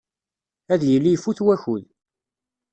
Ad yili ifut wakud.